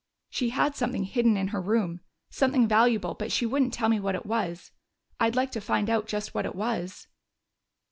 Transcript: She had something hidden in her room, something valuable, but she wouldn't tell me what it was. I'd like to find out just what it was."